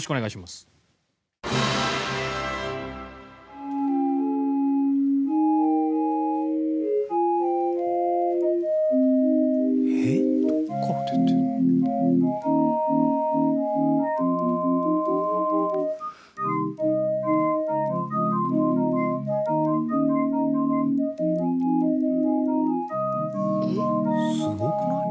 すごくない？